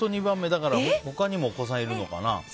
だから他にもお子さんいるのかな。